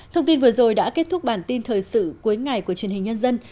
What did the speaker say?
thông tin vừa rồi đã kết thúc bản tin thời sự cuối ngày của truyền hình nhân dân